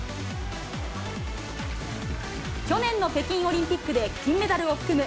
去年の北京オリンピックで金メダルを含む